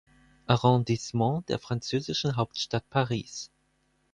Arrondissement der französischen Hauptstadt Paris.